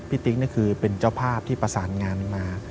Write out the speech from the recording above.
พี่ติ๊กเป็นเจ้าภาพที่ประสานงานมา